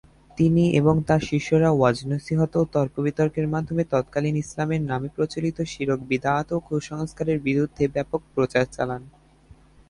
তিনি এবং তার শিষ্যরা ওয়াজ-নসীহত ও তর্ক-বিতর্কের মাধ্যমে তৎকালীন ইসলামের নামে প্রচলিত শিরক-বিদআত ও কুসংস্কারের বিরুদ্ধে ব্যাপক প্রচার চালান।